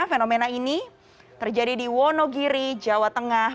fenomena ini terjadi di wonogiri jawa tengah